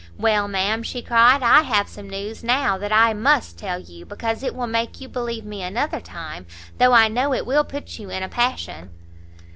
"Well, ma'am," she cried, "I have some news now that I must tell you, because it will make you believe me another time though I know it will put you in a passion."